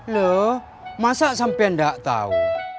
loh masa sampean gak tau